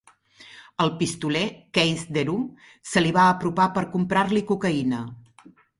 El pistoler, Keith Deroux, se li va apropar per comprar-li cocaïna.